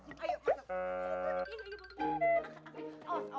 oh bisa yang gitu baru